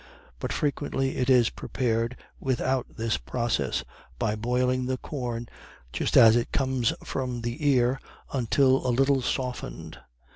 But frequently it is prepared without this process, by boiling the corn just as it comes from the ear until a little softened.